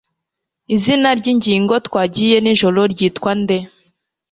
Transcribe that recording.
Izina ryingingo twagiye nijoro ryitwa nde